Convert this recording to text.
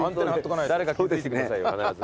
誰か気付いてくださいよ必ずね。